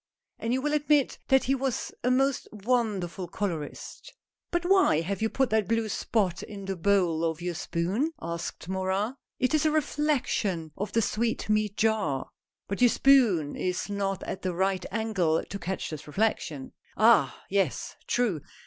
And you will admit that he was a most wonderful colorist." " But why have you put that blue spot in the bowl of your spoon ?" asked Morin. " It is a reflection of the sweetmeat jar." " But your spoon is not at the right angle to catch this reflection." " Ah ! yes, true.